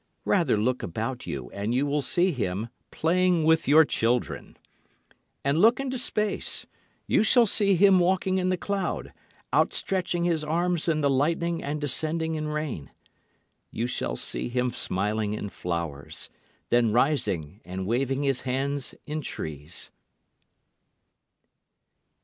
Rather look about you and you shall see Him playing with your children. And look into space; you shall see Him walking in the cloud, outstretching His arms in the lightning and descending in rain. You shall see Him smiling in flowers, then rising and waving His hands in trees.